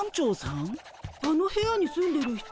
あの部屋に住んでる人